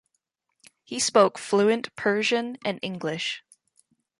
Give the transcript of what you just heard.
He spoke fluent Persian and English.